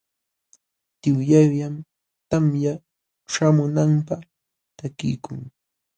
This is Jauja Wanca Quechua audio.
Tiwllallam tamya ćhaamunanpaq takikun.